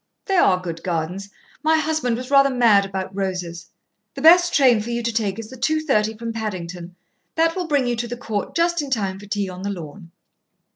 "They are good gardens. My husband was rather mad about roses. The best train for you to take is the 2:30 from Paddington. That will bring you to the Court just in time for tea on the lawn."